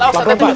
pak klam pak